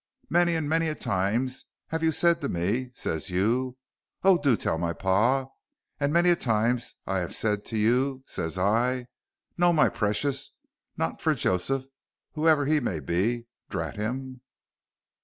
Many and many a time have you said to me, ses you, 'Oh, do tell my par,' and many a time have I said to you, ses I, 'No, my precious, not for Joseph,' whoever he may be, drat him!"